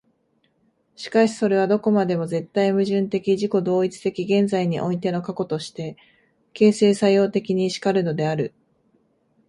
しかしそれはどこまでも絶対矛盾的自己同一的現在においての過去として、形成作用的に然るのである。